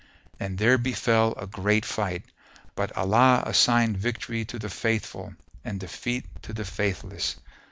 And there befel a great fight, but Allah assigned victory to the Faithful and defeat to the Faithless.